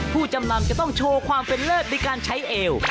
ผู้จำนำจะต้องโชว์ความเป็นเลิศด้วยการใช้เอว